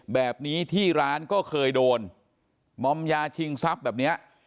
แบบนี้ที่ร้านก็เคยโดนมอมยาชิงทรัพย์แบบนี้